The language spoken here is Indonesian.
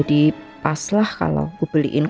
kau ga berharap semua perubahannya